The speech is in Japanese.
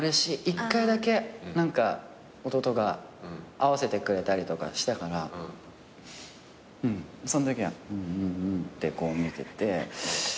一回だけ弟が会わせてくれたりとかしたからそのときは「うんうん」ってこう見てて。